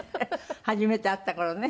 初めて会った頃ね。